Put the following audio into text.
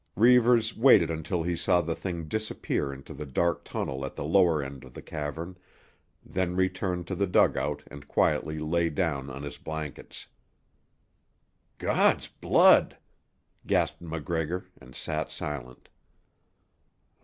Reivers waited until he saw the thing disappear into the dark tunnel at the lower end of the cavern, then returned to the dugout and quietly lay down on his blankets. "God's blood!" gasped MacGregor and sat silent.